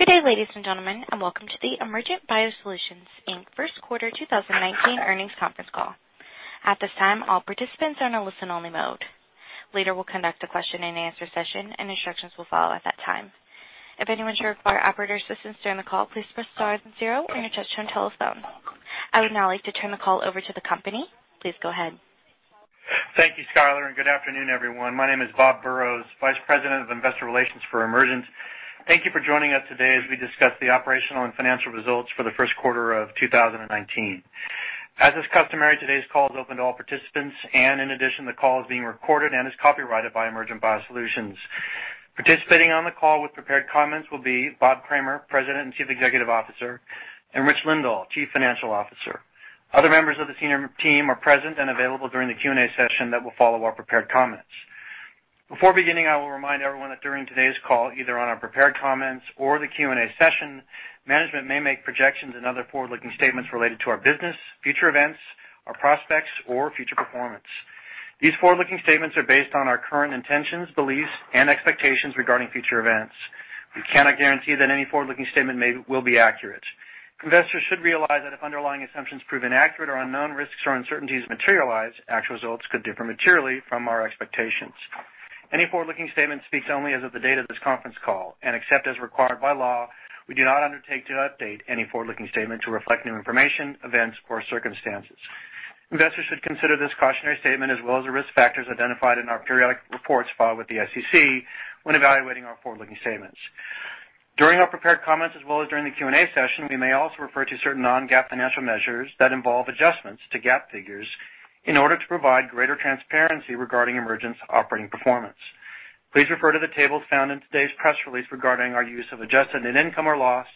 Good day, ladies and gentlemen, and welcome to the Emergent BioSolutions Inc. First Quarter 2019 Earnings Conference Call. At this time, all participants are in a listen only mode. Later, we'll conduct a question and answer session and instructions will follow at that time. If anyone should require operator assistance during the call, please press star zero on your touch-tone telephone. I would now like to turn the call over to the company. Please go ahead. Thank you, Skyler, and good afternoon, everyone. My name is Bob Burrows, Vice President of Investor Relations for Emergent. Thank you for joining us today as we discuss the operational and financial results for the first quarter of 2019. As is customary, today's call is open to all participants, and in addition, the call is being recorded and is copyrighted by Emergent BioSolutions. Participating on the call with prepared comments will be Bob Kramer, President and Chief Executive Officer, and Rich Lindahl, Chief Financial Officer. Other members of the senior team are present and available during the Q&A session that will follow our prepared comments. Before beginning, I will remind everyone that during today's call, either on our prepared comments or the Q&A session, management may make projections and other forward-looking statements related to our business, future events, our prospects, or future performance. These forward-looking statements are based on our current intentions, beliefs, and expectations regarding future events. We cannot guarantee that any forward-looking statement will be accurate. Investors should realize that if underlying assumptions prove inaccurate or unknown risks or uncertainties materialize, actual results could differ materially from our expectations. Any forward-looking statement speaks only as of the date of this conference call, except as required by law, we do not undertake to update any forward-looking statement to reflect new information, events, or circumstances. Investors should consider this cautionary statement, as well as the risk factors identified in our periodic reports filed with the SEC, when evaluating our forward-looking statements. During our prepared comments, as well as during the Q&A session, we may also refer to certain non-GAAP financial measures that involve adjustments to GAAP figures in order to provide greater transparency regarding Emergent's operating performance. Please refer to the tables found in today's press release regarding our use of adjusted net income or loss,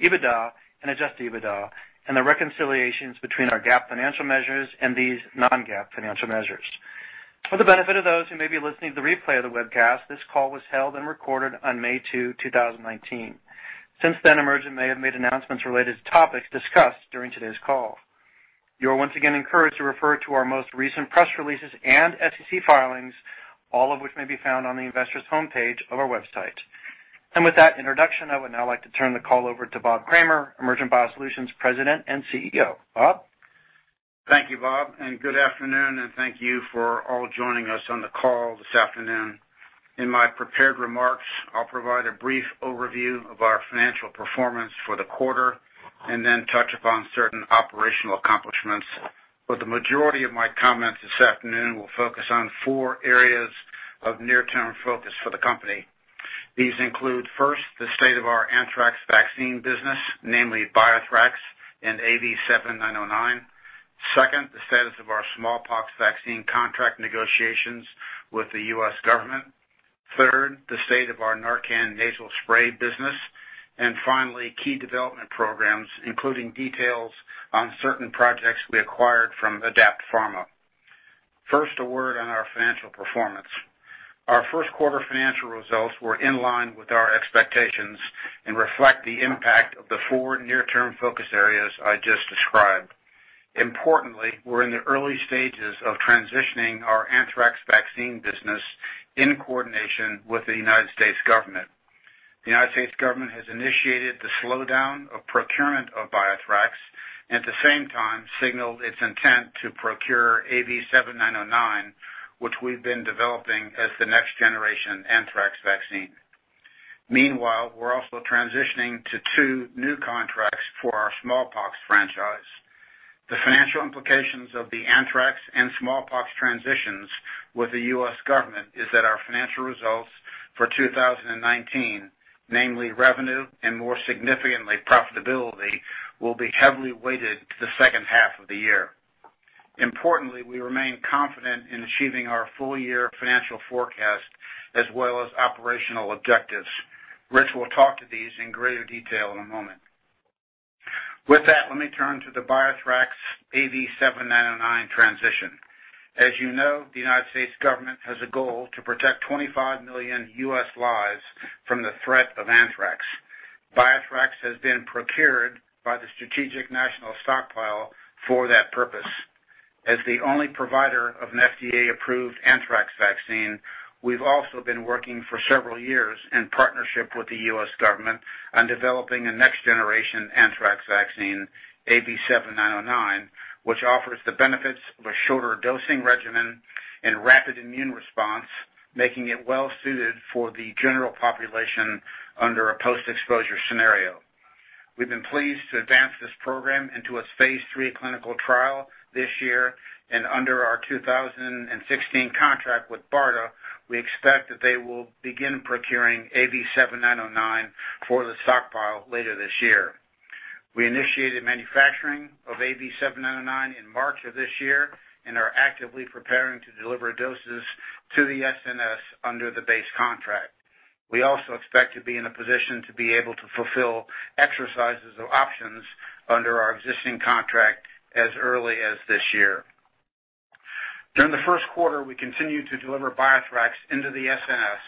EBITDA and adjusted EBITDA, and the reconciliations between our GAAP financial measures and these non-GAAP financial measures. For the benefit of those who may be listening to the replay of the webcast, this call was held and recorded on May 2, 2019. Since then, Emergent may have made announcements related to topics discussed during today's call. You are once again encouraged to refer to our most recent press releases and SEC filings, all of which may be found on the investor's homepage of our website. With that introduction, I would now like to turn the call over to Bob Kramer, Emergent BioSolutions President and CEO. Bob? Thank you, Bob, and good afternoon, and thank you for all joining us on the call this afternoon. In my prepared remarks, I'll provide a brief overview of our financial performance for the quarter and then touch upon certain operational accomplishments. The majority of my comments this afternoon will focus on four areas of near-term focus for the company. These include, first, the state of our anthrax vaccine business, namely BioThrax and AV7909. Second, the status of our smallpox vaccine contract negotiations with the U.S. government. Third, the state of our NARCAN Nasal Spray business. Finally, key development programs, including details on certain projects we acquired from Adapt Pharma. First, a word on our financial performance. Our first quarter financial results were in line with our expectations and reflect the impact of the four near-term focus areas I just described. Importantly, we're in the early stages of transitioning our anthrax vaccine business in coordination with the U.S. government. The U.S. government has initiated the slowdown of procurement of BioThrax, at the same time signaled its intent to procure AV7909, which we've been developing as the next generation anthrax vaccine. Meanwhile, we're also transitioning to two new contracts for our smallpox franchise. The financial implications of the anthrax and smallpox transitions with the U.S. government is that our financial results for 2019, namely revenue and more significantly, profitability, will be heavily weighted to the second half of the year. Importantly, we remain confident in achieving our full year financial forecast as well as operational objectives. Rich will talk to these in greater detail in a moment. With that, let me turn to the BioThrax AV7909 transition. As you know, the U.S. government has a goal to protect 25 million U.S. lives from the threat of anthrax. BioThrax has been procured by the Strategic National Stockpile for that purpose. As the only provider of an FDA-approved anthrax vaccine, we've also been working for several years in partnership with the U.S. government on developing a next generation anthrax vaccine, AV7909, which offers the benefits of a shorter dosing regimen and rapid immune response, making it well-suited for the general population under a post-exposure scenario. We've been pleased to advance this program into a phase III clinical trial this year, and under our 2016 contract with BARDA, we expect that they will begin procuring AV7909 for the stockpile later this year. We initiated manufacturing of AV7909 in March of this year and are actively preparing to deliver doses to the SNS under the base contract. We also expect to be in a position to be able to fulfill exercises of options under our existing contract as early as this year. During the first quarter, we continued to deliver BioThrax into the SNS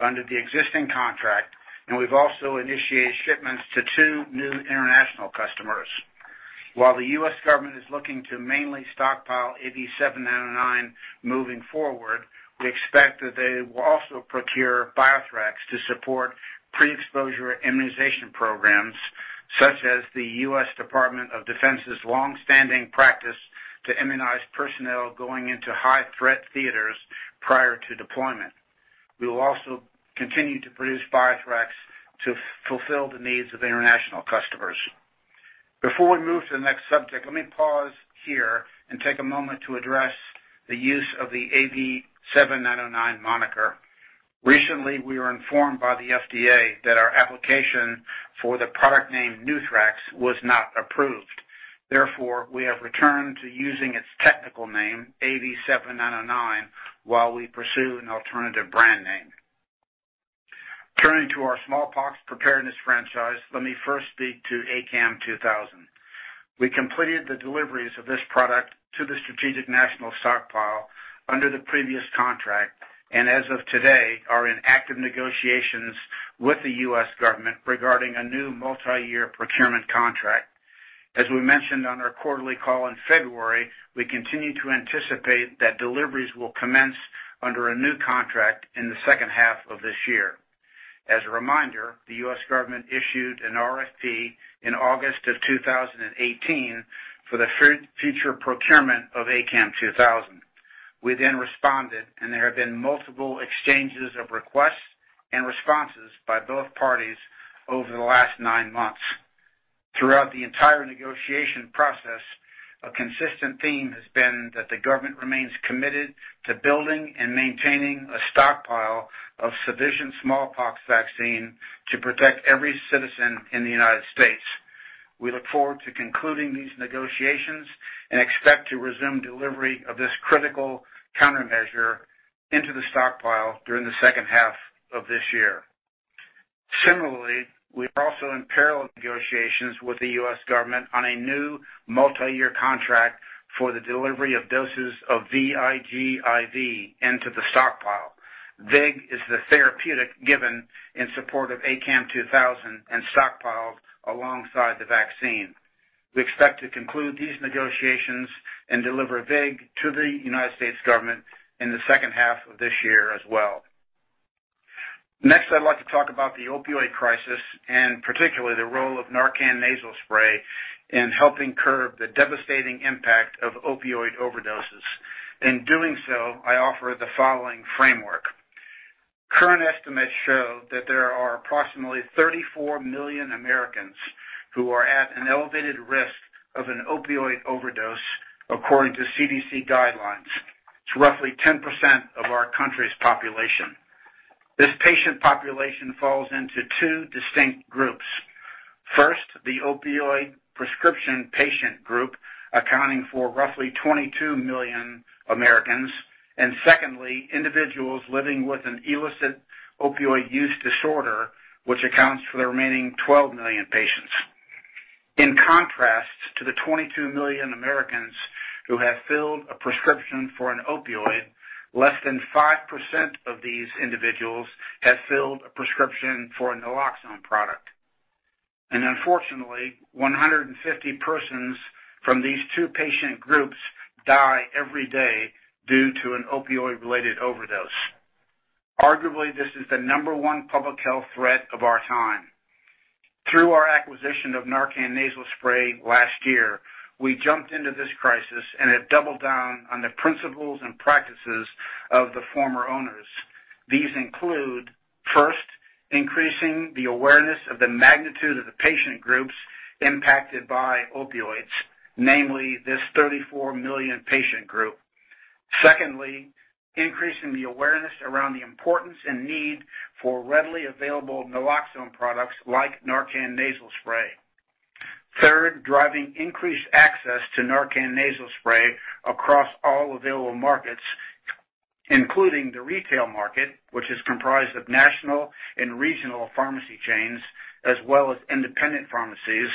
under the existing contract, and we've also initiated shipments to two new international customers. While the U.S. government is looking to mainly stockpile AV7909 moving forward, we expect that they will also procure BioThrax to support pre-exposure immunization programs, such as the U.S. Department of Defense's longstanding practice to immunize personnel going into high-threat theaters prior to deployment. We will also continue to produce BioThrax to fulfill the needs of international customers. Before we move to the next subject, let me pause here and take a moment to address the use of the AV7909 moniker. Recently, we were informed by the FDA that our application for the product name NuThrax was not approved. Therefore, we have returned to using its technical name, AV7909, while we pursue an alternative brand name. Turning to our smallpox preparedness franchise, let me first speak to ACAM2000. We completed the deliveries of this product to the Strategic National Stockpile under the previous contract, and as of today, are in active negotiations with the U.S. government regarding a new multi-year procurement contract. As we mentioned on our quarterly call in February, we continue to anticipate that deliveries will commence under a new contract in the second half of this year. As a reminder, the U.S. government issued an RFP in August 2018 for the future procurement of ACAM2000. We then responded, there have been multiple exchanges of requests and responses by both parties over the last nine months. Throughout the entire negotiation process, a consistent theme has been that the government remains committed to building and maintaining a stockpile of sufficient smallpox vaccine to protect every citizen in the United States. We look forward to concluding these negotiations and expect to resume delivery of this critical countermeasure into the stockpile during the second half of this year. Similarly, we are also in parallel negotiations with the U.S. government on a new multi-year contract for the delivery of doses of VIGIV into the stockpile. VIG is the therapeutic given in support of ACAM2000 and stockpiled alongside the vaccine. We expect to conclude these negotiations and deliver VIG to the United States government in the second half of this year as well. Next, I'd like to talk about the opioid crisis and particularly the role of NARCAN Nasal Spray in helping curb the devastating impact of opioid overdoses. In doing so, I offer the following framework. Current estimates show that there are approximately 34 million Americans who are at an elevated risk of an opioid overdose according to CDC guidelines. It's roughly 10% of our country's population. This patient population falls into two distinct groups. First, the opioid prescription patient group, accounting for roughly 22 million Americans, and secondly, individuals living with an illicit opioid use disorder, which accounts for the remaining 12 million patients. In contrast to the 22 million Americans who have filled a prescription for an opioid, less than 5% of these individuals have filled a prescription for a naloxone product. Unfortunately, 150 persons from these two patient groups die every day due to an opioid-related overdose. Arguably, this is the number one public health threat of our time. Through our acquisition of NARCAN Nasal Spray last year, we jumped into this crisis and have doubled down on the principles and practices of the former owners. These include, first, increasing the awareness of the magnitude of the patient groups impacted by opioids, namely this 34 million patient group. Secondly, increasing the awareness around the importance and need for readily available naloxone products like NARCAN Nasal Spray. Third, driving increased access to NARCAN Nasal Spray across all available markets, including the retail market, which is comprised of national and regional pharmacy chains, as well as independent pharmacies.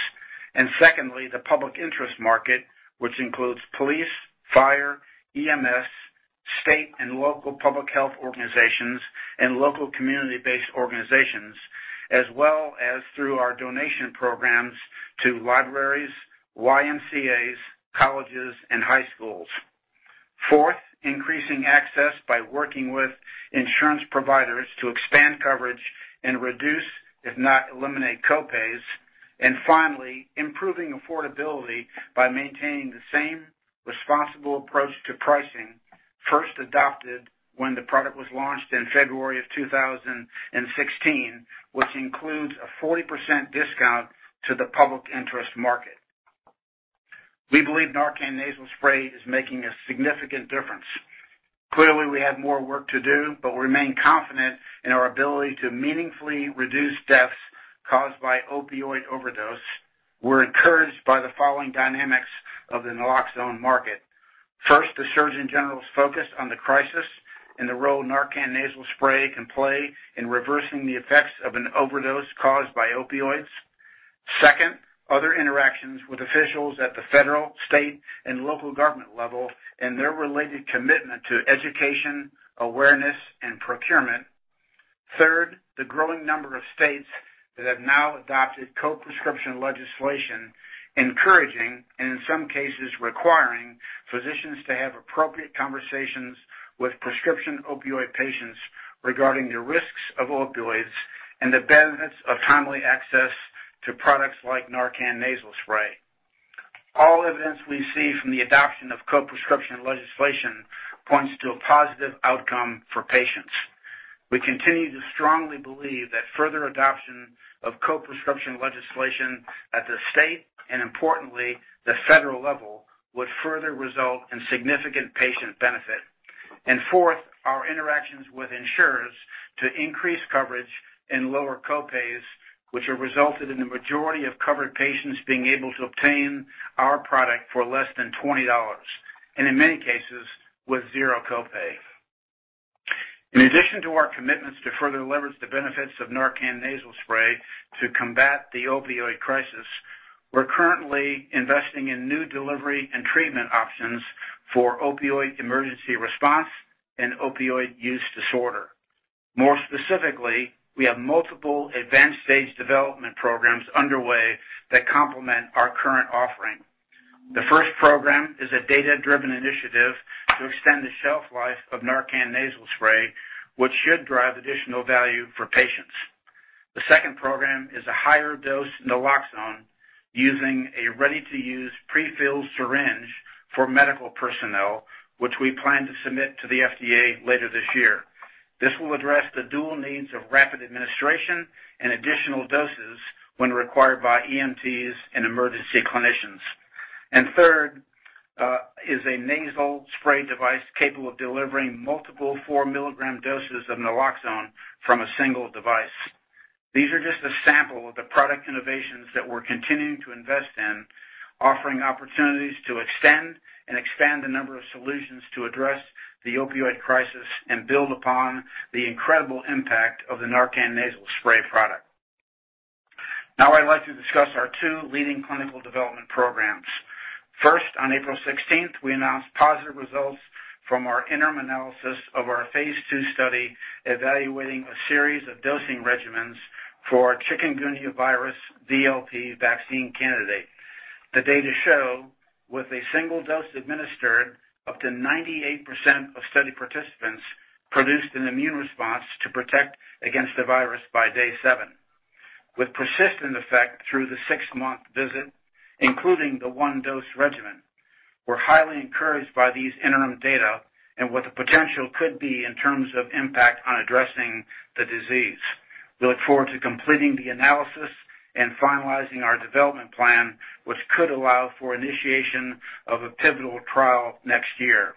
Secondly, the public interest market, which includes police, fire, EMS, state and local public health organizations, and local community-based organizations, as well as through our donation programs to libraries, YMCAs, colleges, and high schools. Fourth, increasing access by working with insurance providers to expand coverage and reduce, if not eliminate co-pays. Finally, improving affordability by maintaining the same responsible approach to pricing first adopted when the product was launched in February of 2016, which includes a 40% discount to the public interest market. We believe NARCAN Nasal Spray is making a significant difference. Clearly, we have more work to do, but we remain confident in our ability to meaningfully reduce deaths caused by opioid overdose. We're encouraged by the following dynamics of the naloxone market. First, the Surgeon General's focus on the crisis and the role NARCAN Nasal Spray can play in reversing the effects of an overdose caused by opioids. Second, other interactions with officials at the federal, state, and local government level and their related commitment to education, awareness, and procurement. Third, the growing number of states that have now adopted co-prescription legislation encouraging, and in some cases requiring, physicians to have appropriate conversations with prescription opioid patients regarding the risks of opioids and the benefits of timely access to products like NARCAN Nasal Spray. All evidence we see from the adoption of co-prescription legislation points to a positive outcome for patients. We continue to strongly believe that further adoption of co-prescription legislation at the state, and importantly, the federal level, would further result in significant patient benefit. Fourth, our interactions with insurers to increase coverage and lower co-pays, which have resulted in the majority of covered patients being able to obtain our product for less than $20, and in many cases, with zero co-pay. In addition to our commitments to further leverage the benefits of NARCAN Nasal Spray to combat the opioid crisis, we're currently investing in new delivery and treatment options for opioid emergency response and opioid use disorder. More specifically, we have multiple advanced stage development programs underway that complement our current offering. The first program is a data-driven initiative to extend the shelf life of NARCAN Nasal Spray, which should drive additional value for patients. The second program is a higher dose naloxone using a ready-to-use prefilled syringe for medical personnel, which we plan to submit to the FDA later this year. This will address the dual needs of rapid administration and additional doses when required by EMTs and emergency clinicians. And third, is a nasal spray device capable of delivering multiple four milligram doses of naloxone from a single device. These are just a sample of the product innovations that we're continuing to invest in, offering opportunities to extend and expand the number of solutions to address the opioid crisis and build upon the incredible impact of the NARCAN Nasal Spray product. Now I'd like to discuss our two leading clinical development programs. First, on April 16th, we announced positive results from our interim analysis of our phase II study evaluating a series of dosing regimens for our Chikungunya virus VLP vaccine candidate. The data show with a single dose administered up to 98% of study participants produced an immune response to protect against the virus by day seven, with persistent effect through the six-month visit, including the one-dose regimen. We're highly encouraged by these interim data and what the potential could be in terms of impact on addressing the disease. We look forward to completing the analysis and finalizing our development plan, which could allow for initiation of a pivotal trial next year.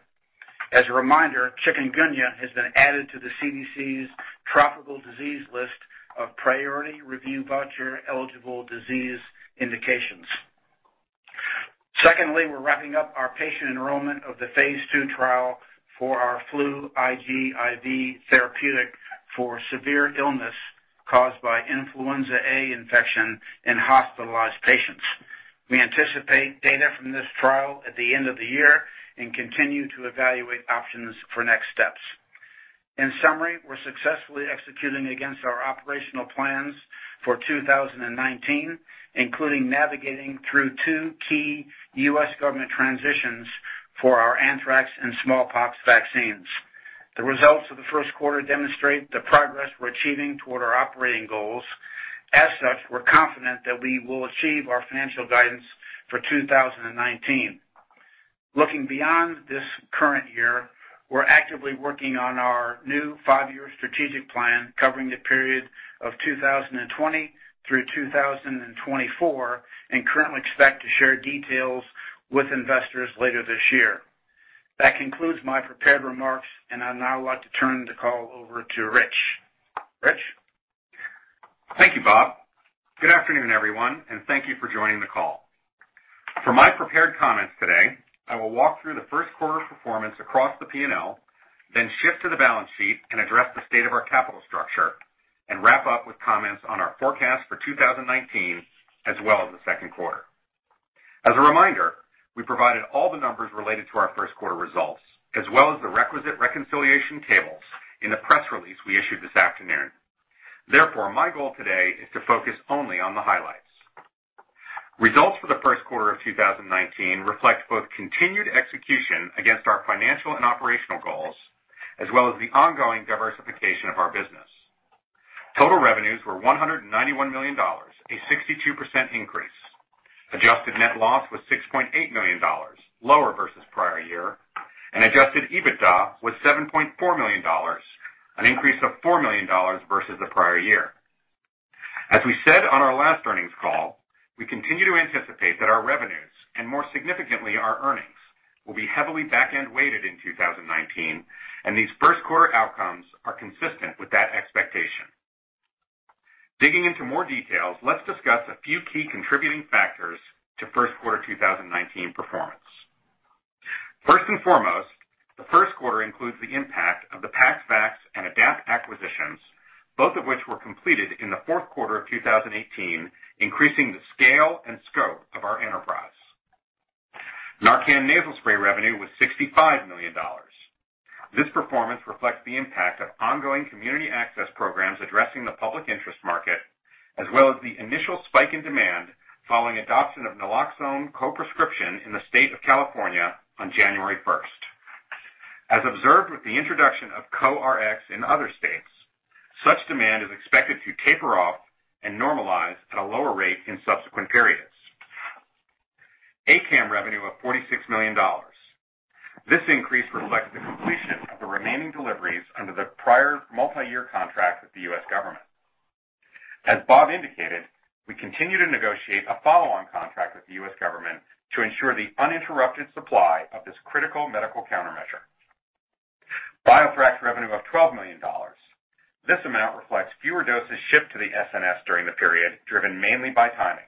As a reminder, Chikungunya has been added to the CDC's tropical disease list of priority review voucher eligible disease indications. Secondly, we're wrapping up our patient enrollment of the phase II trial for our FLU-IGIV therapeutic for severe illness caused by influenza A infection in hospitalized patients. We anticipate data from this trial at the end of the year and continue to evaluate options for next steps. In summary, we're successfully executing against our operational plans for 2019, including navigating through two key U.S. government transitions for our anthrax and smallpox vaccines. The results of the first quarter demonstrate the progress we're achieving toward our operating goals. As such, we're confident that we will achieve our financial guidance for 2019. Looking beyond this current year, we're actively working on our new five-year strategic plan covering the period of 2020 through 2024, currently expect to share details with investors later this year. That concludes my prepared remarks, and I'd now like to turn the call over to Rich. Rich? Thank you, Bob. Good afternoon, everyone, thank you for joining the call. For my prepared comments today, I will walk through the first quarter performance across the P&L, shift to the balance sheet and address the state of our capital structure, wrap up with comments on our forecast for 2019 as well as the second quarter. As a reminder, we provided all the numbers related to our first quarter results, as well as the requisite reconciliation tables in the press release we issued this afternoon. My goal today is to focus only on the highlights. Results for the first quarter of 2019 reflect both continued execution against our financial and operational goals, as well as the ongoing diversification of our business. Total revenues were $191 million, a 62% increase. Adjusted net loss was $6.8 million, lower versus prior year, adjusted EBITDA was $7.4 million, an increase of $4 million versus the prior year. As we said on our last earnings call, we continue to anticipate that our revenues, more significantly our earnings, will be heavily backend-weighted in 2019, these first quarter outcomes are consistent with that expectation. Digging into more details, let's discuss a few key contributing factors to first quarter 2019 performance. First and foremost, the first quarter includes the impact of the PaxVax and Adapt acquisitions, both of which were completed in the fourth quarter of 2018, increasing the scale and scope of our enterprise. NARCAN Nasal Spray revenue was $65 million. This performance reflects the impact of ongoing community access programs addressing the public interest market, as well as the initial spike in demand following adoption of naloxone co-prescription in the state of California on January 1st. As observed with the introduction of co-Rx in other states, such demand is expected to taper off and normalize at a lower rate in subsequent periods. ACAM revenue of $46 million. This increase reflects the completion of the remaining deliveries under the prior multi-year contract with the U.S. government. As Bob indicated, we continue to negotiate a follow-on contract with the U.S. government to ensure the uninterrupted supply of this critical medical countermeasure. BioThrax revenue of $12 million. This amount reflects fewer doses shipped to the SNS during the period, driven mainly by timing.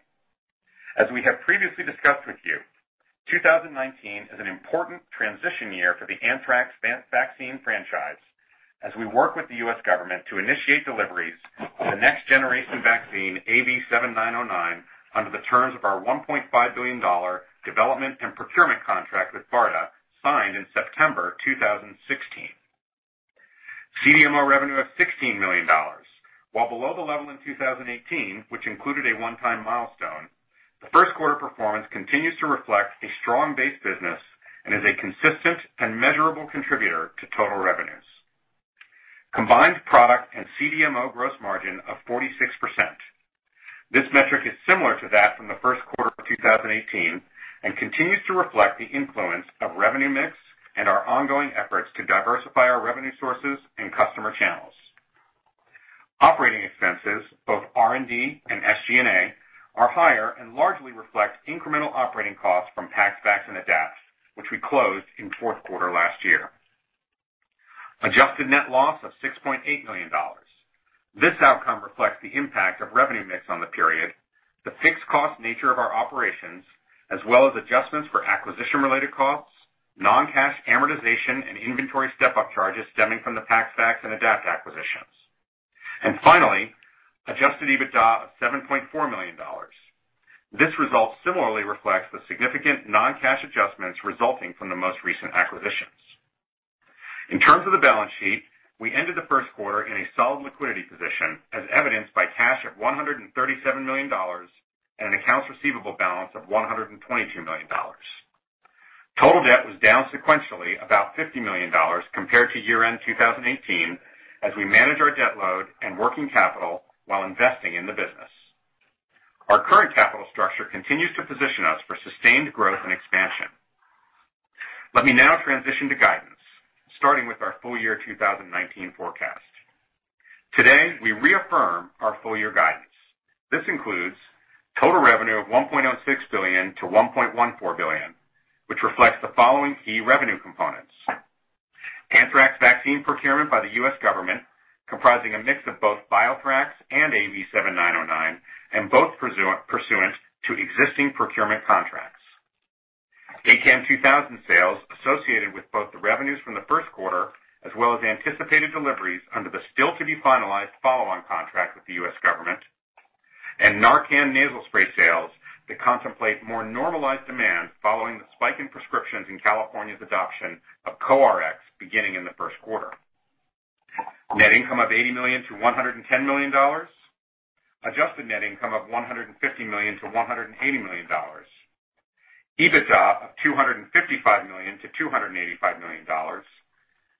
We have previously discussed with you, 2019 is an important transition year for the anthrax vaccine franchise, as we work with the U.S. government to initiate deliveries of the next generation vaccine, AV7909, under the terms of our $1.5 billion development and procurement contract with BARDA, signed in September 2016. CDMO revenue of $16 million. While below the level in 2018, which included a one-time milestone, the first quarter performance continues to reflect a strong base business and is a consistent and measurable contributor to total revenues. Combined product and CDMO gross margin of 46%. This metric is similar to that from the first quarter of 2018 and continues to reflect the influence of revenue mix and our ongoing efforts to diversify our revenue sources and customer channels. Operating expenses, both R&D and SG&A, are higher and largely reflect incremental operating costs from PaxVax and Adapt, which we closed in fourth quarter last year. Adjusted net loss of $6.8 million. This outcome reflects the impact of revenue mix on the period, the fixed cost nature of our operations, as well as adjustments for acquisition-related costs, non-cash amortization and inventory step-up charges stemming from the PaxVax and Adapt acquisitions. Finally, adjusted EBITDA of $7.4 million. This result similarly reflects the significant non-cash adjustments resulting from the most recent acquisitions. In terms of the balance sheet, we ended the first quarter in a solid liquidity position, as evidenced by cash at $137 million and an accounts receivable balance of $122 million. Total debt was down sequentially about $50 million compared to year-end 2018, as we manage our debt load and working capital while investing in the business. Our current capital structure continues to position us for sustained growth and expansion. Let me now transition to guidance, starting with our full year 2019 forecast. Today, we reaffirm our full year guidance. This includes total revenue of $1.06 billion-$1.14 billion, which reflects the following key revenue components. Anthrax vaccine procurement by the U.S. government, comprising a mix of both BioThrax and AV7909, and both pursuant to existing procurement contracts. ACAM2000 sales associated with both the revenues from the first quarter, as well as anticipated deliveries under the still to be finalized follow-on contract with the U.S. government, NARCAN Nasal Spray sales that contemplate more normalized demand following the spike in prescriptions in California's adoption of co-Rx beginning in the first quarter. Net income of $80 million-$110 million. Adjusted net income of $150 million-$180 million. EBITDA of $255 million to $285 million,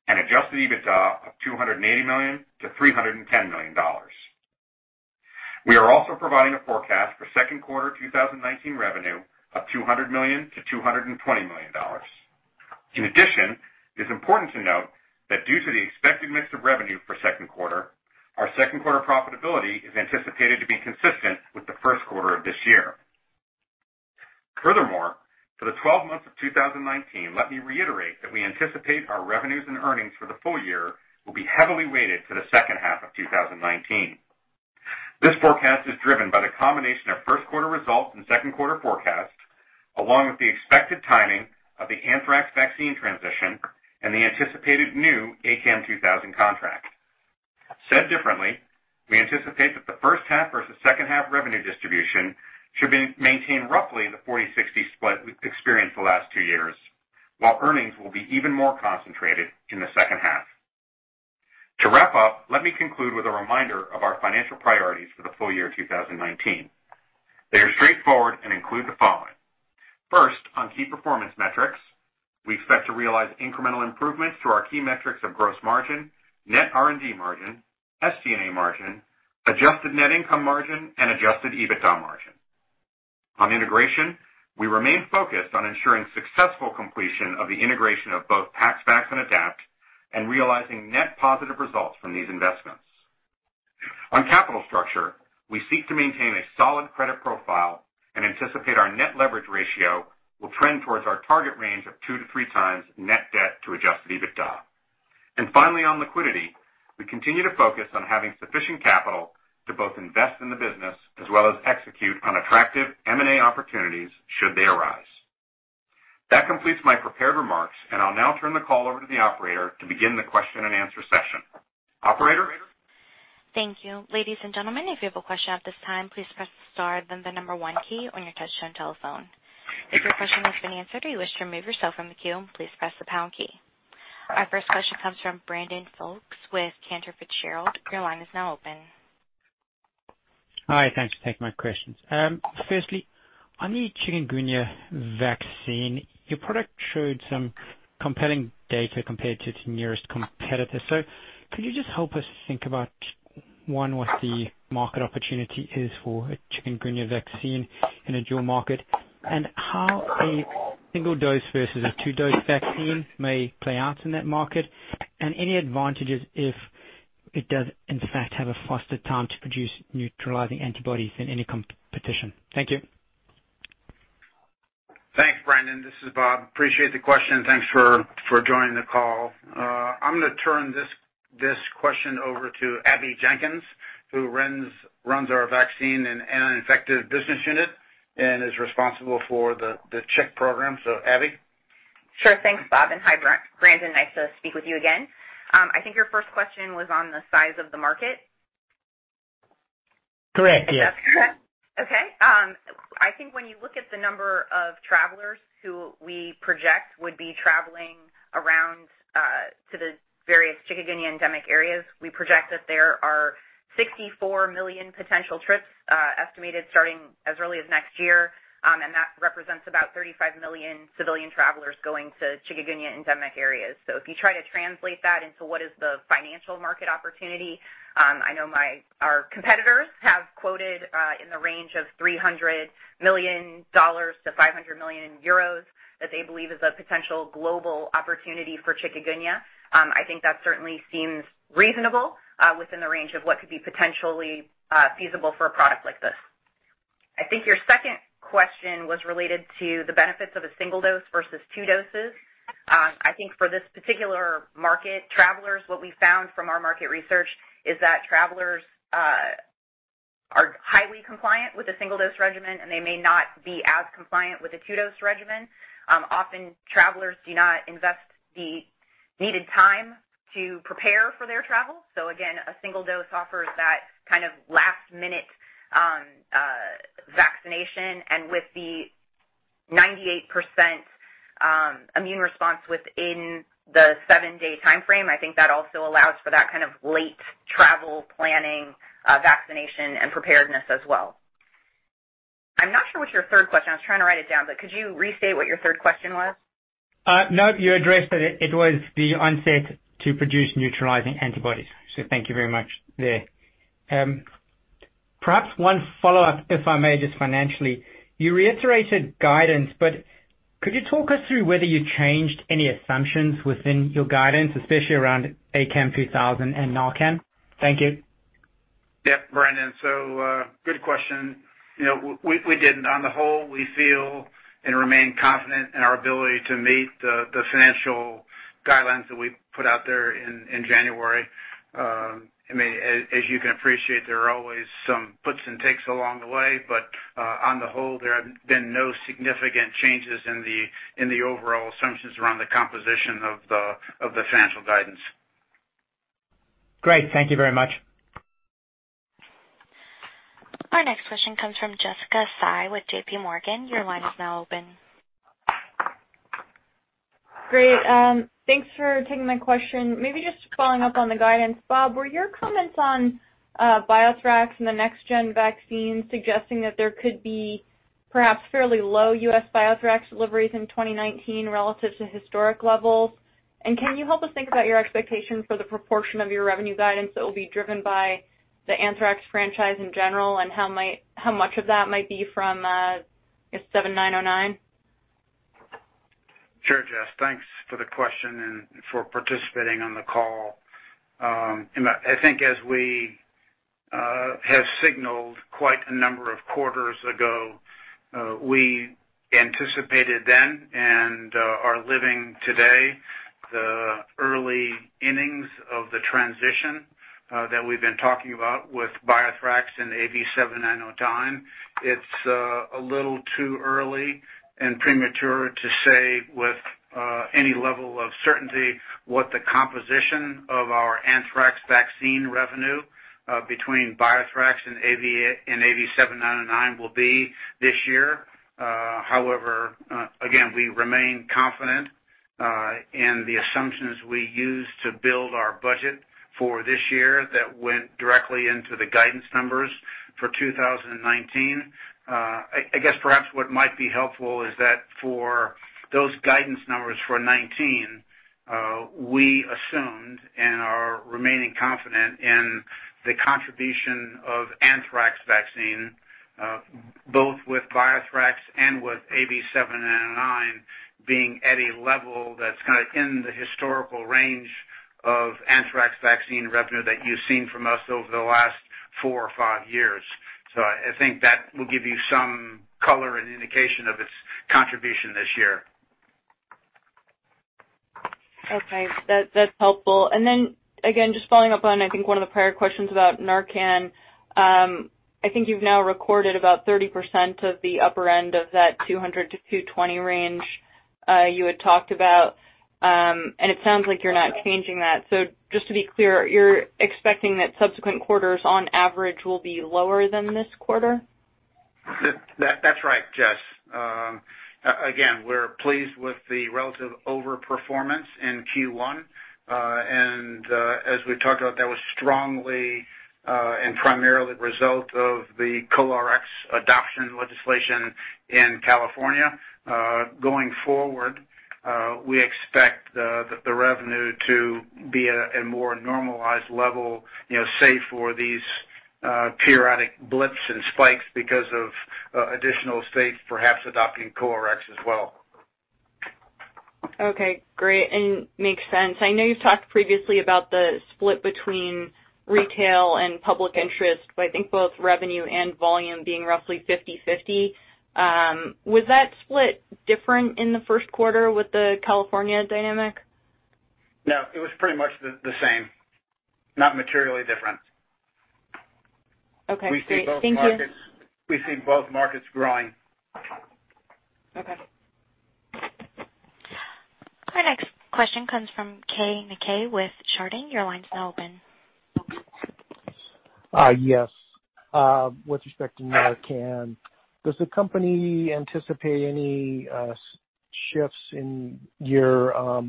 and adjusted EBITDA of $280 million to $310 million. We are also providing a forecast for second quarter 2019 revenue of $200 million to $220 million. It's important to note that due to the expected mix of revenue for second quarter, our second quarter profitability is anticipated to be consistent with the first quarter of this year. For the 12 months of 2019, let me reiterate that we anticipate our revenues and earnings for the full year will be heavily weighted to the second half of 2019. This forecast is driven by the combination of first quarter results and second quarter forecasts, along with the expected timing of the anthrax vaccine transition and the anticipated new ACAM2000 contract. Said differently, we anticipate that the first half versus second half revenue distribution should maintain roughly the 40/60 split we've experienced the last two years, while earnings will be even more concentrated in the second half. To wrap up, let me conclude with a reminder of our financial priorities for the full year 2019. They are straightforward and include the following. On key performance metrics, we expect to realize incremental improvements to our key metrics of gross margin, net R&D margin, SG&A margin, adjusted net income margin, and adjusted EBITDA margin. On integration, we remain focused on ensuring successful completion of the integration of both PaxVax and Adapt, and realizing net positive results from these investments. On capital structure, we seek to maintain a solid credit profile and anticipate our net leverage ratio will trend towards our target range of two to three times net debt to adjusted EBITDA. Finally, on liquidity, we continue to focus on having sufficient capital to both invest in the business as well as execute on attractive M&A opportunities should they arise. That completes my prepared remarks, and I'll now turn the call over to the operator to begin the question and answer session. Operator? Thank you. Ladies and gentlemen, if you have a question at this time, please press star, then the number one key on your touch-tone telephone. If your question has been answered or you wish to remove yourself from the queue, please press the pound key. Our first question comes from Brandon Folkes with Cantor Fitzgerald. Your line is now open. Hi. Thanks for taking my questions. Firstly, on the Chikungunya vaccine, your product showed some compelling data compared to its nearest competitor. Could you just help us think about, one, what the market opportunity is for a Chikungunya vaccine in a dual market, and how a single-dose versus a two-dose vaccine may play out in that market, and any advantages if it does in fact have a faster time to produce neutralizing antibodies than any competition? Thank you. Thanks, Brandon. This is Bob. Appreciate the question, and thanks for joining the call. I'm going to turn this question over to Abbey Jenkins, who runs our vaccine and infective business unit and is responsible for the CHIK program. Abbey? Sure. Thanks, Bob, and hi, Brandon. Nice to speak with you again. I think your first question was on the size of the market. Correct, yes. Okay. I think when you look at the number of travelers who we project would be traveling around to the various Chikungunya endemic areas, we project that there are 64 million potential trips estimated starting as early as next year. That represents about 35 million civilian travelers going to Chikungunya endemic areas. If you try to translate that into what is the financial market opportunity, I know our competitors have quoted in the range of $300 million to 500 million euros that they believe is a potential global opportunity for Chikungunya. I think that certainly seems reasonable within the range of what could be potentially feasible for a product like this. I think your second question was related to the benefits of a single dose versus two doses. I think for this particular market, travelers, what we found from our market research is that travelers are highly compliant with a single-dose regimen. They may not be as compliant with a two-dose regimen. Often, travelers do not invest the needed time to prepare for their travel. Again, a single dose offers that last minute vaccination. With the 98% immune response within the seven-day timeframe, I think that also allows for that kind of late travel planning, vaccination, and preparedness as well. I'm not sure what your third question. I was trying to write it down. Could you restate what your third question was? No, you addressed it. It was the onset to produce neutralizing antibodies. Thank you very much there. Perhaps one follow-up, if I may, just financially. You reiterated guidance. Could you talk us through whether you changed any assumptions within your guidance, especially around ACAM2000 and NARCAN? Thank you. Yep. Brandon. Good question. We didn't. On the whole, we feel and remain confident in our ability to meet the financial guidelines that we put out there in January. As you can appreciate, there are always some puts and takes along the way. On the whole, there have been no significant changes in the overall assumptions around the composition of the financial guidance. Great. Thank you very much. Our next question comes from Jessica Fye with JPMorgan. Your line is now open. Great. Thanks for taking my question. Maybe just following up on the guidance. Bob, were your comments on BioThrax and the next gen vaccine suggesting that there could be perhaps fairly low U.S. BioThrax deliveries in 2019 relative to historic levels? Can you help us think about your expectations for the proportion of your revenue guidance that will be driven by the anthrax franchise in general, and how much of that might be from AV7909? Sure, Jessica. Thanks for the question and for participating on the call. I think as we have signaled quite a number of quarters ago, we anticipated then and are living today the early innings of the transition that we've been talking about with BioThrax and AV7909. It's a little too early and premature to say with any level of certainty what the composition of our anthrax vaccine revenue between BioThrax and AV7909 will be this year. However, again, we remain confident in the assumptions we used to build our budget for this year that went directly into the guidance numbers for 2019. I guess perhaps what might be helpful is that for those guidance numbers for 2019, we assumed and are remaining confident in the contribution of anthrax vaccine, both with BioThrax and with AV7909 being at a level that's in the historical range of anthrax vaccine revenue that you've seen from us over the last four or five years. I think that will give you some color and indication of its contribution this year. Okay. That's helpful. Again, just following up on, I think, one of the prior questions about NARCAN. I think you've now recorded about 30% of the upper end of that $200-$220 range you had talked about, and it sounds like you're not changing that. Just to be clear, you're expecting that subsequent quarters on average will be lower than this quarter? That's right, Jessica. Again, we're pleased with the relative over-performance in Q1. As we talked about, that was strongly and primarily the result of the co-Rx adoption legislation in California. Going forward, we expect the revenue to be at a more normalized level, save for these periodic blips and spikes because of additional states perhaps adopting co-Rx as well. Okay, great, makes sense. I know you've talked previously about the split between retail and public interest, but I think both revenue and volume being roughly 50/50. Was that split different in the first quarter with the California dynamic? No, it was pretty much the same, not materially different. Okay, great. Thank you. We see both markets growing. Okay. Our next question comes from Keay Nakae with Chardan Capital Markets. Your line is now open. Yes. With respect to NARCAN, does the company anticipate any shifts in your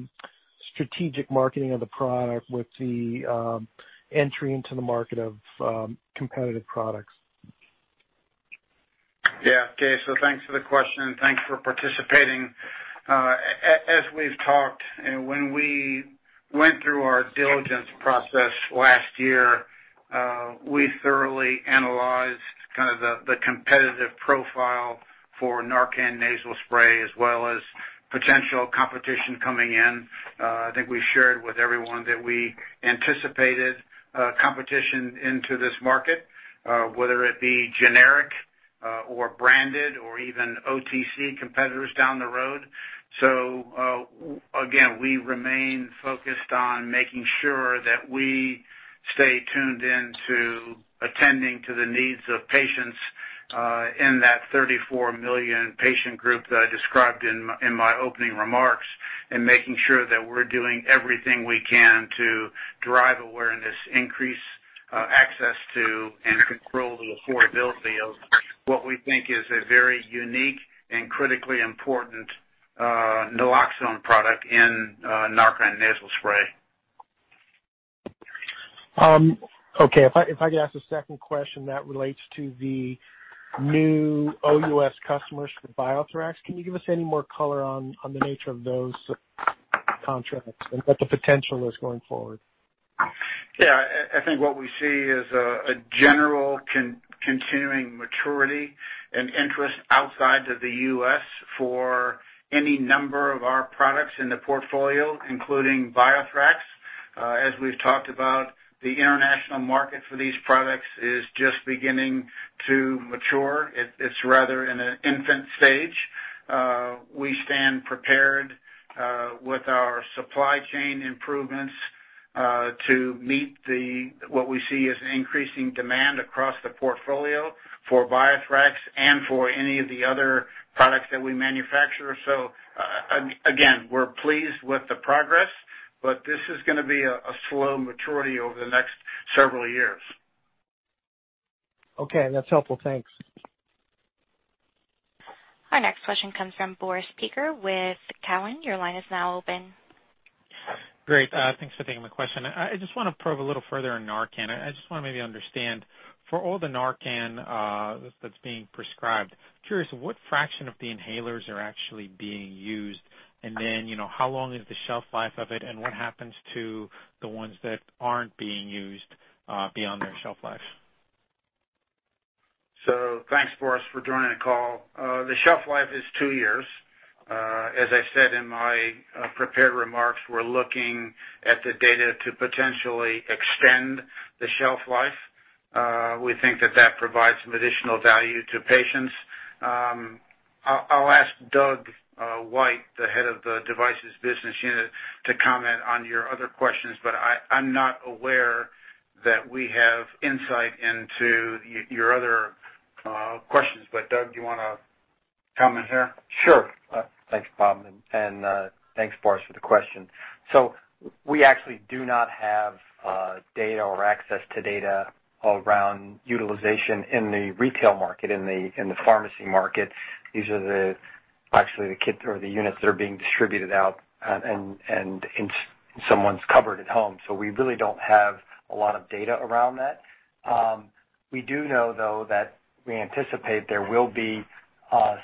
strategic marketing of the product with the entry into the market of competitive products? Yeah. Keay, thanks for the question and thanks for participating. As we've talked, when we went through our diligence process last year, we thoroughly analyzed the competitive profile for NARCAN Nasal Spray, as well as potential competition coming in. I think we shared with everyone that we anticipated competition into this market, whether it be generic or branded or even OTC competitors down the road. Again, we remain focused on making sure that we stay tuned in to attending to the needs of patients in that 34 million patient group that I described in my opening remarks, and making sure that we're doing everything we can to drive awareness, increase access to and control the affordability of what we think is a very unique and critically important naloxone product in NARCAN Nasal Spray. Okay. If I could ask a second question that relates to the new OUS customers for BioThrax. Can you give us any more color on the nature of those contracts and what the potential is going forward? Yeah. I think what we see is a general continuing maturity and interest outside of the U.S. for any number of our products in the portfolio, including BioThrax. As we've talked about, the international market for these products is just beginning to mature. It's rather in an infant stage. We stand prepared with our supply chain improvements to meet what we see as increasing demand across the portfolio for BioThrax and for any of the other products that we manufacture. Again, we're pleased with the progress, but this is going to be a slow maturity over the next several years. Okay. That's helpful. Thanks. Our next question comes from Boris Peaker with Cowen. Your line is now open. Great. Thanks for taking my question. I just want to probe a little further on NARCAN. I just want to maybe understand, for all the NARCAN that's being prescribed, curious what fraction of the inhalers are actually being used, and then how long is the shelf life of it, and what happens to the ones that aren't being used beyond their shelf lives? Thanks, Boris, for joining the call. The shelf life is two years. As I said in my prepared remarks, we're looking at the data to potentially extend the shelf life. We think that that provides some additional value to patients. I'll ask Doug White, the head of the Devices Business Unit, to comment on your other questions, I'm not aware that we have insight into your other questions. Doug, do you want to comment there? Sure. Thanks, Bob, and thanks, Boris Peaker, for the question. We actually do not have data or access to data around utilization in the retail market, in the pharmacy market. These are actually the kits or the units that are being distributed out and in someone's cupboard at home. We really don't have a lot of data around that. We do know, though, that we anticipate there will be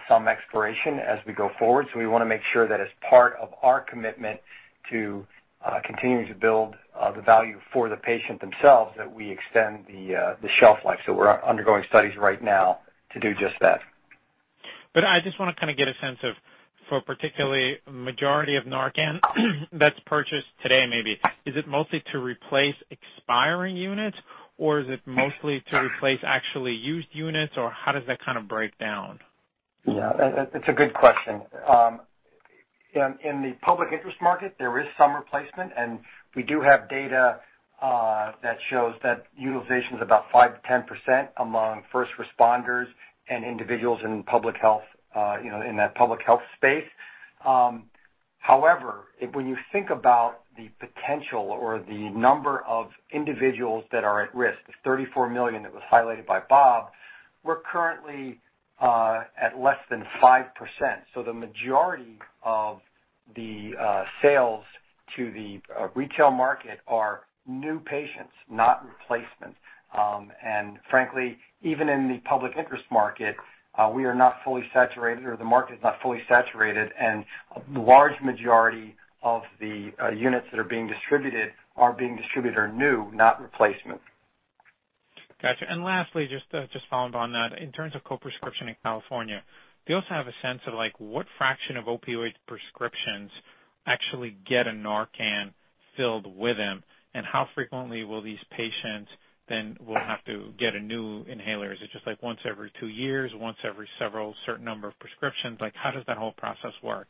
some expiration as we go forward. We want to make sure that as part of our commitment to continuing to build the value for the patient themselves, that we extend the shelf life. We're undergoing studies right now to do just that. I just want to get a sense of, for particularly majority of NARCAN that's purchased today maybe, is it mostly to replace expiring units, or is it mostly to replace actually used units, or how does that break down? Yeah. It's a good question. In the public interest market, there is some replacement, and we do have data that shows that utilization's about 5%-10% among first responders and individuals in that public health space. However, when you think about the potential or the number of individuals that are at risk, the $34 million that was highlighted by Bob, we're currently at less than 5%. The majority of the sales to the retail market are new patients, not replacements. Frankly, even in the public interest market, we are not fully saturated, or the market is not fully saturated, and a large majority of the units that are being distributed are new, not replacement. Got you. Lastly, just to follow up on that, in terms of co-prescription in California, do you also have a sense of what fraction of opioid prescriptions actually get a NARCAN filled with them? How frequently will these patients then will have to get a new inhaler? Is it just once every two years, once every several certain number of prescriptions? How does that whole process work?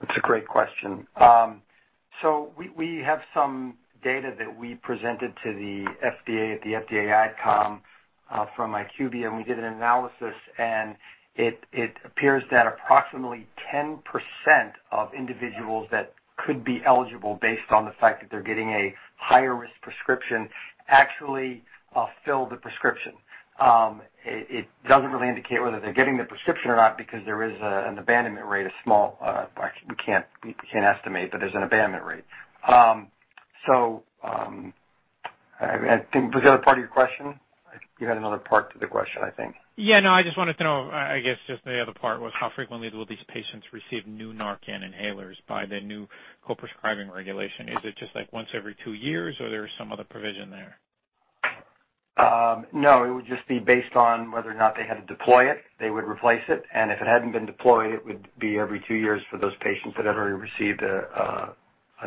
That's a great question. We have some data that we presented to the FDA at the FDA AdCom from IQVIA, and we did an analysis, and it appears that approximately 10% of individuals that could be eligible based on the fact that they're getting a higher risk prescription actually fill the prescription. It doesn't really indicate whether they're getting the prescription or not because there is an abandonment rate. We can't estimate, but there's an abandonment rate. What was the other part of your question? You had another part to the question, I think. I just wanted to know, the other part was how frequently will these patients receive new NARCAN inhalers by the new co-prescribing regulation. Is it just once every two years, or there is some other provision there? It would just be based on whether or not they had to deploy it. They would replace it, and if it hadn't been deployed, it would be every two years for those patients that have already received a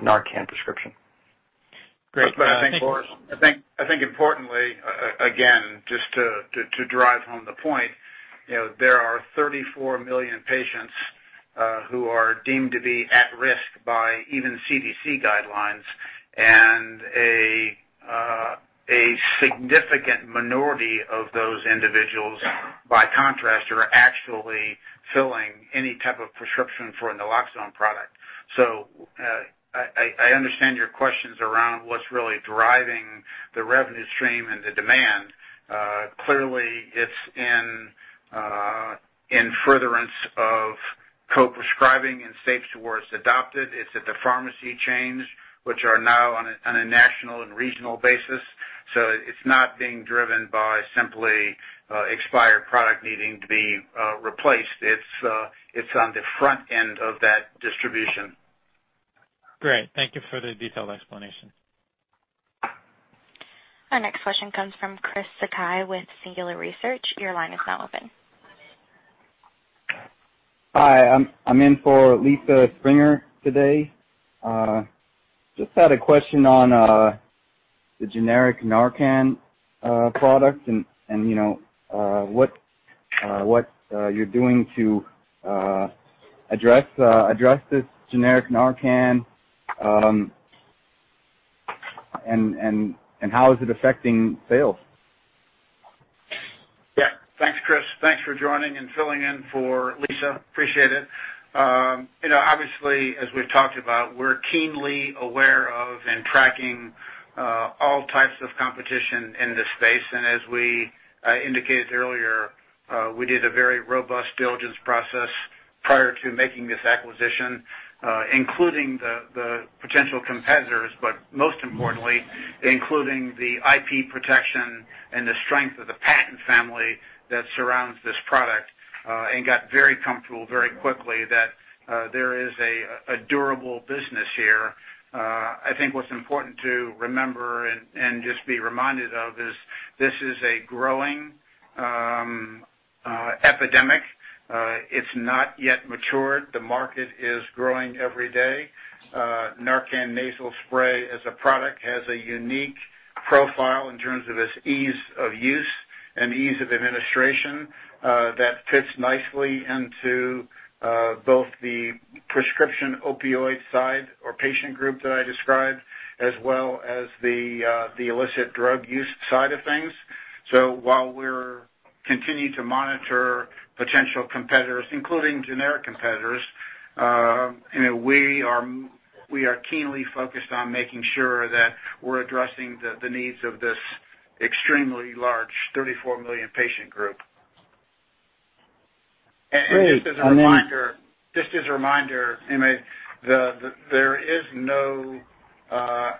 NARCAN prescription. Great. That's what I think, Boris. I think importantly, again, just to drive home the point, there are 34 million patients who are deemed to be at risk by even CDC guidelines, and a significant minority of those individuals, by contrast, are actually filling any type of prescription for a naloxone product. I understand your questions around what's really driving the revenue stream and the demand. Clearly, it's in furtherance of co-prescribing in states to where it's adopted. It's at the pharmacy chains, which are now on a national and regional basis. It's not being driven by simply expired product needing to be replaced. It's on the front end of that distribution. Great. Thank you for the detailed explanation. Our next question comes from Chris Sakai with Singular Research. Your line is now open. Hi, I'm in for Lisa Springer today. Just had a question on the generic NARCAN product and what you're doing to address this generic NARCAN, and how is it affecting sales? Yeah. Thanks, Chris. Thanks for joining and filling in for Lisa. Appreciate it. Obviously, as we've talked about, we're keenly aware of and tracking all types of competition in this space. As we indicated earlier, we did a very robust diligence process prior to making this acquisition, including the potential competitors, but most importantly, including the IP protection and the strength of the patent family that surrounds this product, and got very comfortable very quickly that there is a durable business here. I think what's important to remember and just be reminded of is this is a growing epidemic. It's not yet matured. The market is growing every day. NARCAN Nasal Spray as a product has a unique profile in terms of its ease of use and ease of administration that fits nicely into both the prescription opioid side or patient group that I described, as well as the illicit drug use side of things. While we're continuing to monitor potential competitors, including generic competitors, we are keenly focused on making sure that we're addressing the needs of this extremely large 34 million patient group. Great. Just as a reminder, there is no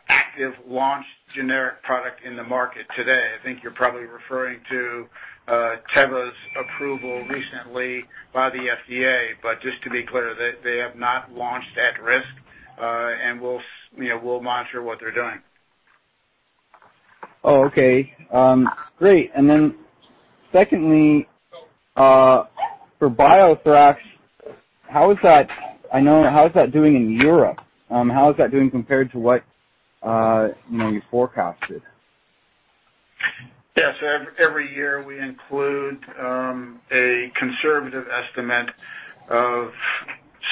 active launched generic product in the market today. I think you're probably referring to Teva's approval recently by the FDA. Just to be clear, they have not launched at risk. We'll monitor what they're doing. Oh, okay. Great. Then secondly, for BioThrax, how is that doing in Europe? How is that doing compared to what you forecasted? Yeah. Every year we include a conservative estimate of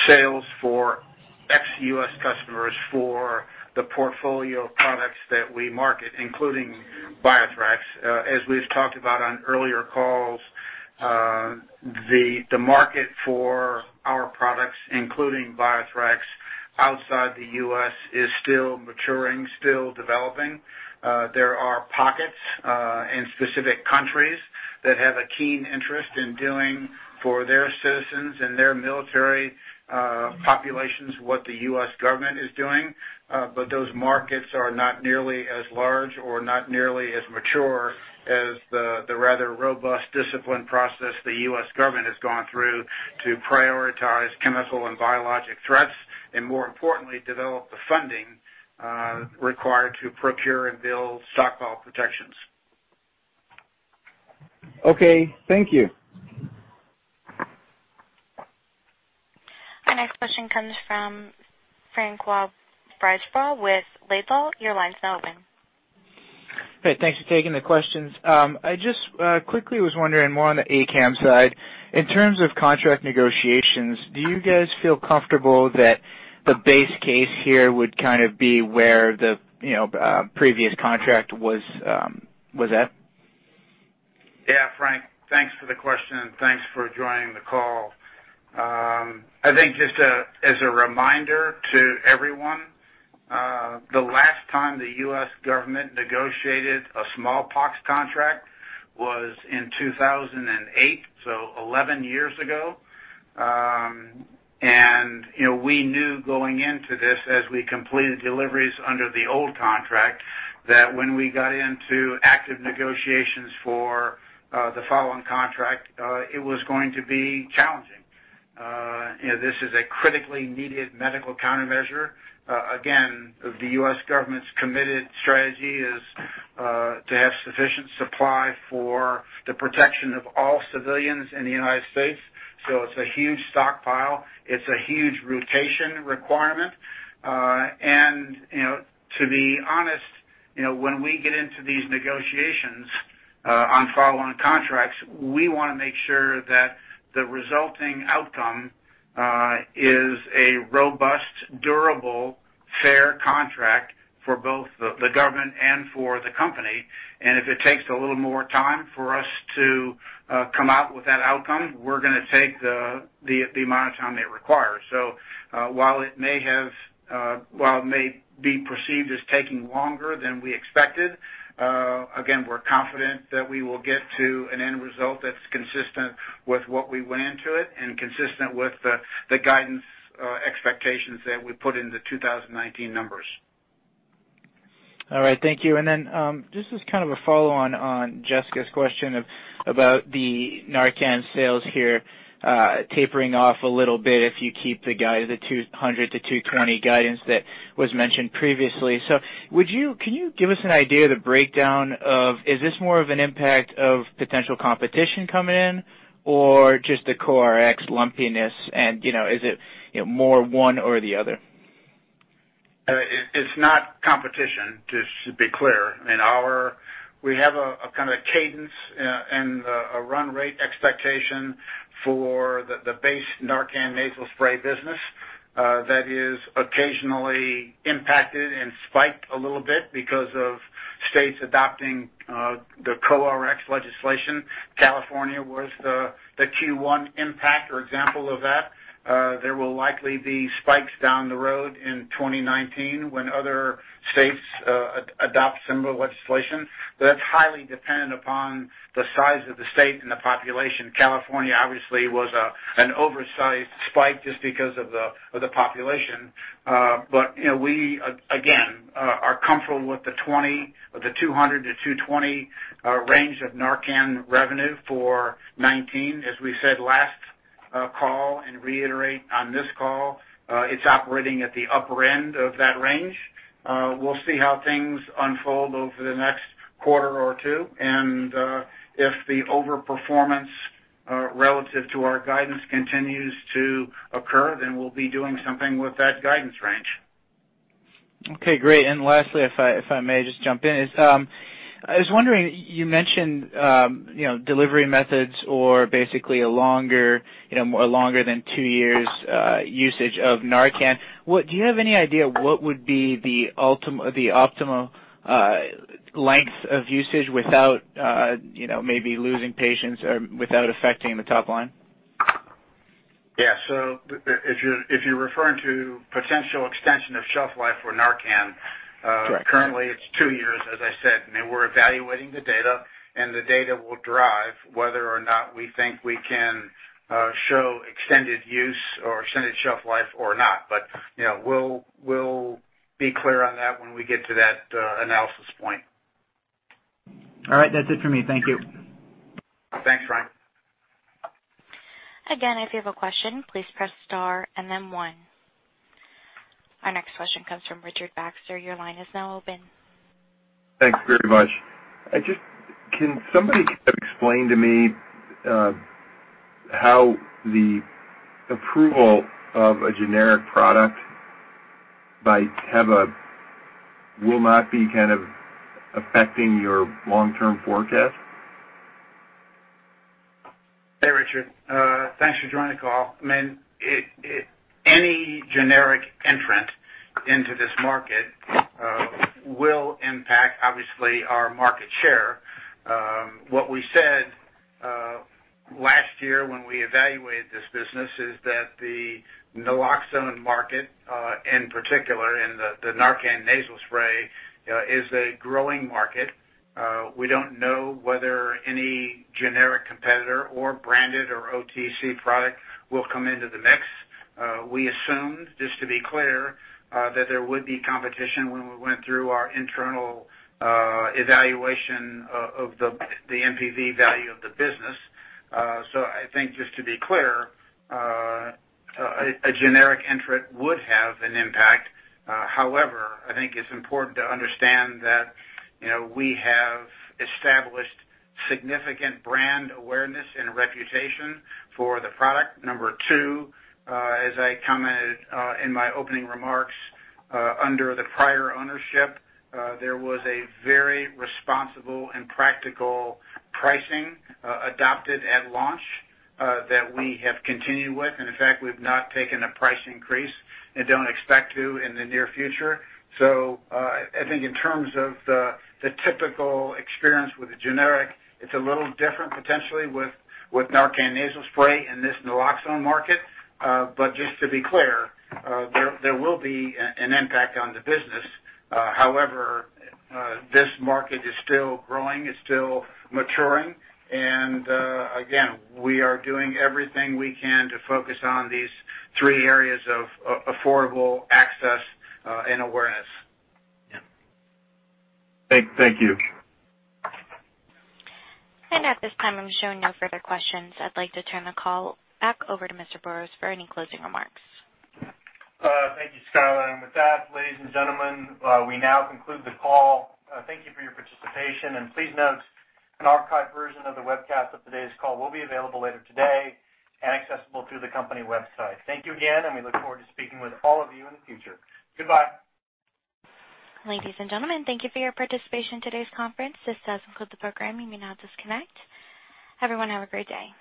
sales for ex-U.S. customers for the portfolio of products that we market, including BioThrax. As we've talked about on earlier calls, the market for our products, including BioThrax, outside the U.S. is still maturing, still developing. There are pockets in specific countries that have a keen interest in doing for their citizens and their military populations what the U.S. government is doing. Those markets are not nearly as large or not nearly as mature as the rather robust discipline process the U.S. government has gone through to prioritize chemical and biologic threats, and more importantly, develop the funding required to procure and build stockpile protections. Okay. Thank you. Our next question comes from François Brisebois with Laidlaw & Company. Your line's now open. Hey, thanks for taking the questions. I just quickly was wondering more on the ACAM side, in terms of contract negotiations, do you guys feel comfortable that the base case here would be where the previous contract was at? Yeah, François, thanks for the question, and thanks for joining the call. I think just as a reminder to everyone, the last time the U.S. government negotiated a smallpox contract was in 2008, so 11 years ago. We knew going into this, as we completed deliveries under the old contract, that when we got into active negotiations for the following contract, it was going to be challenging. This is a critically needed medical countermeasure. Again, the U.S. government's committed strategy is to have sufficient supply for the protection of all civilians in the United States. It's a huge stockpile. It's a huge rotation requirement. To be honest, when we get into these negotiations on follow-on contracts, we want to make sure that the resulting outcome is a robust, durable, fair contract for both the government and for the company. If it takes a little more time for us to come out with that outcome, we're going to take the amount of time it requires. While it may be perceived as taking longer than we expected, again, we're confident that we will get to an end result that's consistent with what we went into it and consistent with the guidance expectations that we put in the 2019 numbers. All right, thank you. Just as kind of a follow-on on Jessica's question about the NARCAN sales here tapering off a little bit if you keep the $200-$220 guidance that was mentioned previously. Can you give us an idea of the breakdown of, is this more of an impact of potential competition come in or just the co-Rx lumpiness, and is it more one or the other? It's not competition, just to be clear. We have a kind of cadence and a run rate expectation for the base NARCAN Nasal Spray business that is occasionally impacted and spiked a little bit because of states adopting the co-Rx legislation. California was the Q1 impact or example of that. There will likely be spikes down the road in 2019 when other states adopt similar legislation, but that's highly dependent upon the size of the state and the population. California obviously was an oversized spike just because of the population. We again, are comfortable with the $200-$220 range of NARCAN revenue for 2019. As we said last call and reiterate on this call, it's operating at the upper end of that range. We'll see how things unfold over the next quarter or two, if the over-performance relative to our guidance continues to occur, then we'll be doing something with that guidance range. Okay, great. Lastly, if I may just jump in is, I was wondering, you mentioned delivery methods or basically a longer than two years usage of NARCAN. Do you have any idea what would be the optimal length of usage without maybe losing patients or without affecting the top line? Yeah. If you're referring to potential extension of shelf life for NARCAN. Correct Currently it's two years, as I said, and we're evaluating the data, and the data will drive whether or not we think we can show extended use or extended shelf life or not. We'll be clear on that when we get to that analysis point. All right. That's it for me. Thank you. Thanks, François. Again, if you have a question, please press star and then one. Our next question comes from Richard Baxter. Your line is now open. Thanks very much. Can somebody explain to me how the approval of a generic product by Teva will not be kind of affecting your long-term forecast? Hey, Richard. Thanks for joining the call. Any generic entrant into this market, it will impact, obviously, our market share. What we said last year when we evaluated this business is that the naloxone market, in particular in the NARCAN Nasal Spray, is a growing market. We don't know whether any generic competitor or branded or OTC product will come into the mix. We assumed, just to be clear, that there would be competition when we went through our internal evaluation of the NPV value of the business. I think, just to be clear, a generic entrant would have an impact. However, I think it's important to understand that we have established significant brand awareness and reputation for the product. Number two, as I commented in my opening remarks, under the prior ownership, there was a very responsible and practical pricing adopted at launch that we have continued with, and in fact, we've not taken a price increase and don't expect to in the near future. I think in terms of the typical experience with a generic, it's a little different potentially with NARCAN Nasal Spray in this naloxone market. Just to be clear, there will be an impact on the business. However, this market is still growing. It's still maturing, and again, we are doing everything we can to focus on these three areas of affordable access and awareness. Thank you. At this time, I'm showing no further questions. I'd like to turn the call back over to Mr. Burrows for any closing remarks. Thank you, Skyler. With that, ladies and gentlemen, we now conclude the call. Thank you for your participation. Please note an archived version of the webcast of today's call will be available later today and accessible through the company website. We look forward to speaking with all of you in the future. Goodbye. Ladies and gentlemen, thank you for your participation in today's conference. This does conclude the program. You may now disconnect. Everyone, have a great day.